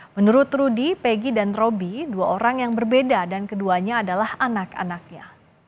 menurut rudy peggy dan roby dua orang yang berbeda dan keduanya adalah anak anaknya